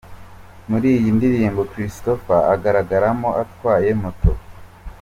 Muri iyi ndirimbo Christopher agaragaramo atwaye moto.